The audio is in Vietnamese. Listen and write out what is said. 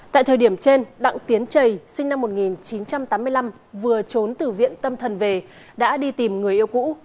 tại thời điểm trên đặng tiến trầy sinh năm một nghìn chín trăm tám mươi năm vừa trốn từ viện tâm thần về đã đi tìm người yêu cũ